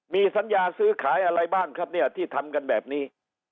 มีสัญญาซื้อขายอะไรบ้างครับเนี่ยที่ทำกันแบบนี้